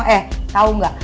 eh tau gak